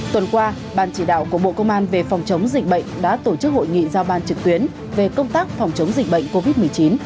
tuần qua ban chỉ đạo của bộ công an về phòng chống dịch bệnh đã tổ chức hội nghị giao ban trực tuyến về công tác phòng chống dịch bệnh covid một mươi chín